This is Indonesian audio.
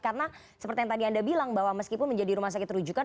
karena seperti yang tadi anda bilang bahwa meskipun menjadi rumah sakit rujukan